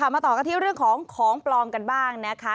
มาต่อกันที่เรื่องของของปลอมกันบ้างนะคะ